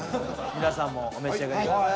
皆さんもお召し上がりください。